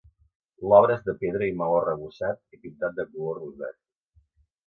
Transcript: L'obra és de pedra i maó arrebossat i pintat de color rosat.